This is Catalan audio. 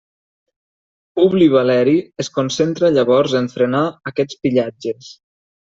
Publi Valeri es concentra llavors en frenar aquests pillatges.